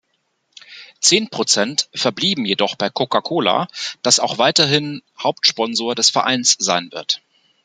Zehn Prozent verblieben jedoch bei Coca-Cola, das auch weiterhin Hauptsponsor des Vereins sein wird.